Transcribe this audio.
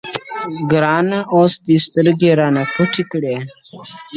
o گراني اوس دي سترگي رانه پټي كړه.